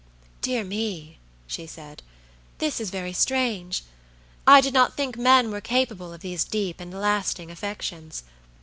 "Dear me!" she said, "this is very strange. I did not think men were capable of these deep and lasting affections.